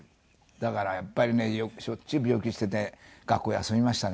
だからやっぱりねしょっちゅう病気してて学校休みましたね。